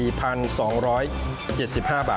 แล้วมาสรุปเงินรางวัลกันนะคะ